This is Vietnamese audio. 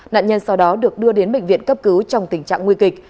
nạn nhân sau đó được đưa đến bệnh viện cấp cứu trong tình trạng nguy kịch